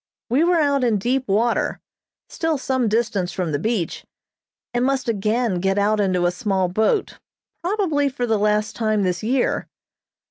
We were out in deep water, still some distance from the beach, and must again get out into a small boat, probably for the last time this year.